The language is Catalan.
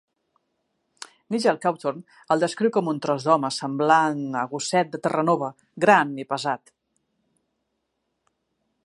Nigel Cawthorne el descriu com un tros d'home semblant a gosset de Terranova gran i pesat.